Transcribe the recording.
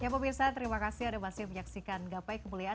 ya pemirsa terima kasih ada masih menyaksikan gapai kemuliaan